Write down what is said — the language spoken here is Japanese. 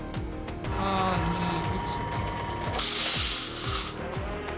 ３２１。